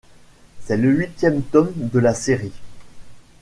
C'est le huitième tome de la série.